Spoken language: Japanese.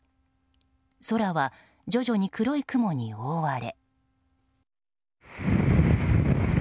空は徐々に黒い雲に覆われ。